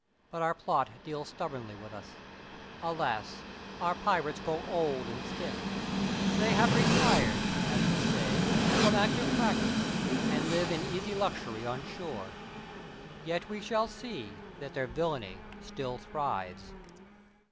But our plot deals stubbornly with us. Alas, our pirates grow old and stiff. They have retired, as we say, from active practice and live in easy luxury on shore. Yet we shall see that their villany still thrives.